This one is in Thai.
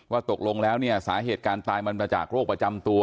ตกลงแล้วเนี่ยสาเหตุการณ์ตายมันมาจากโรคประจำตัว